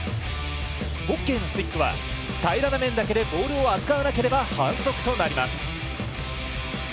ホッケーのスティックは平らな面だけでボールを扱わなければ反則となります。